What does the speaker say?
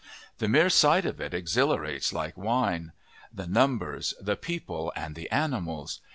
The mere sight of it exhilarates like wine. The numbers the people and the animals!